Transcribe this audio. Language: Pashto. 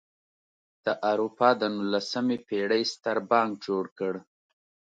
د اروپا د نولسمې پېړۍ ستر بانک جوړ کړ.